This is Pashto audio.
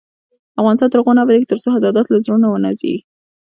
افغانستان تر هغو نه ابادیږي، ترڅو حسادت له زړونو ونه وځي.